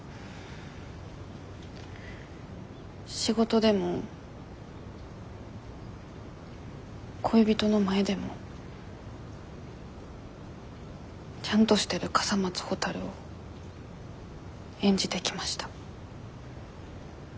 仕事でも恋人の前でも「ちゃんとしてる笠松ほたる」を演じてきました。